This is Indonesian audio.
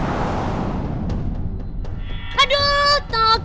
dan perempuan itu akan berubah menjadi mister kentang juga